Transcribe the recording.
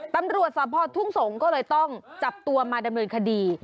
ตำรวจสภทุ่งสงศ์ก็เลยต้องจับตัวมาดำเนินคดี